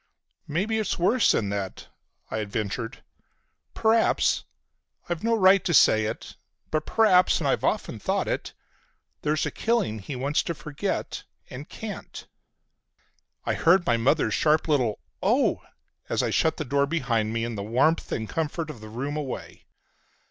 "Maybe it's worse than that," I ventured. "P'r'aps—I've no right to say it—but p'r'aps, and I've often thought it, there's a killing he wants to forget, and can't!" I heard my mother's sharp little "Oh!" as I shut the door behind me and the warmth and comfort of the room away.